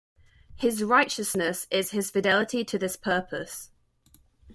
His "Righteousness" is His fidelity to this purpose.